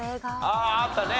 あああったね。